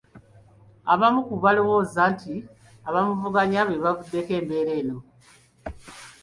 Abamu balowooza nti abamuvuganya be bavuddeko embeera eno